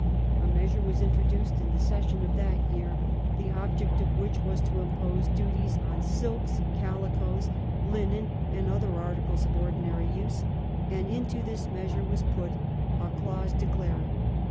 A measure was introduced in the session of that year, the object of which was to impose duties on silks, calicoes, linen, and other articles of ordinary use ; and into this measure was put a ckuse declaring 1712 THE NEWSPAPER STAMP ACT.